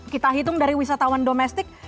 kita hitung dari wisatawan domestik